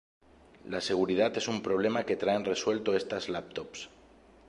La seguridad es un problema que traen resuelto estas laptops.